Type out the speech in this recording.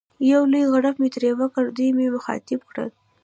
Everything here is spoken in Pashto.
یو لوی غړپ مې ترې وکړ، دوی مې مخاطب کړل.